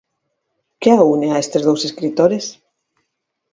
Que a une a estes dous escritores?